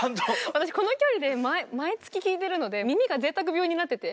私この距離で毎月聴いてるので耳がぜいたく病になってて。